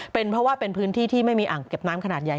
เป็นเพราะว่าเป็นพื้นที่ที่ไม่มีอ่างเก็บน้ำขนาดใหญ่